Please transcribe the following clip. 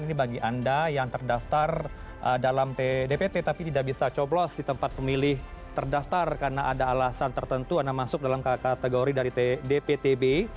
ini bagi anda yang terdaftar dalam dpt tapi tidak bisa coblos di tempat pemilih terdaftar karena ada alasan tertentu anda masuk dalam kategori dari dptb